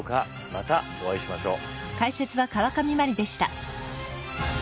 またお会いしましょう。